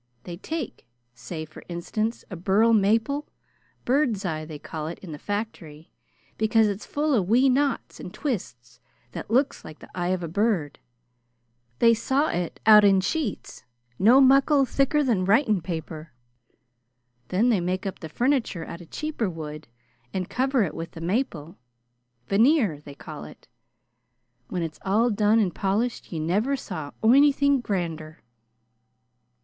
They tak', say, for instance, a burl maple bird's eye they call it in the factory, because it's full o' wee knots and twists that look like the eye of a bird. They saw it out in sheets no muckle thicker than writin' paper. Then they make up the funiture out of cheaper wood and cover it with the maple veneer, they call it. When it's all done and polished ye never saw onythin' grander.